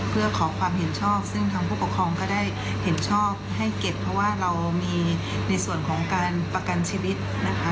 เพื่อขอความเห็นชอบซึ่งทางผู้ปกครองก็ได้เห็นชอบให้เก็บเพราะว่าเรามีในส่วนของการประกันชีวิตนะคะ